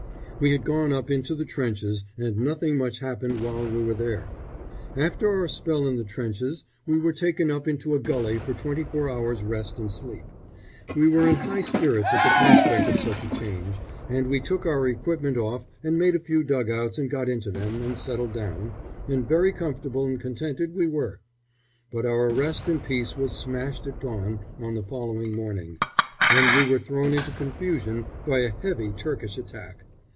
We had gone up into the trenches and nothing much happened while we were there. After our spell in the trenches we were taken up into a gulley for twenty four hours' rest and sleep. We were in high spirits at the prospect of such a change, and we took our equipment off and made a few dug outs and got into them and settled down, and very comfortable and contented we were. But our rest and peace were smashed at dawn on the following morning, when we were thrown into confusion by a heavy Turkish attack.